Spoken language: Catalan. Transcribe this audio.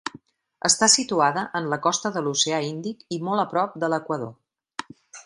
Està situada en la costa de l'oceà Índic i molt a prop de l'equador.